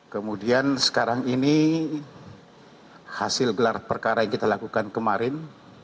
kemudian sekarang ini hasil gelar perkara yang kita lakukan kemarin